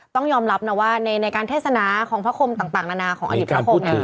ต้องยอมรับนะว่าในการเทศนาของพระคมต่างนานาของอดีตพระคมเนี่ย